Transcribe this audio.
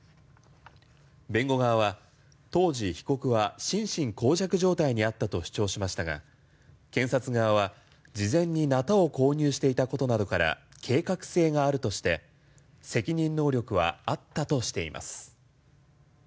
弁護側は当時、被告は心神耗弱状態にあったと主張しましたが、検察側は事前にナタを購入していたことなどから計画性があるとして責任能力はあったとしています。